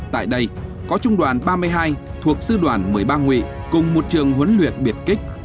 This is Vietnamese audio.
tại đây có trung đoàn ba mươi hai thuộc sư đoàn một mươi ba nguyện cùng một trường huấn luyện biệt kích